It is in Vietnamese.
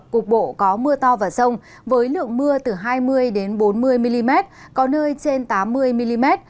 cục bộ có mưa to và sông với lượng mưa từ hai mươi bốn mươi mm có nơi trên tám mươi mm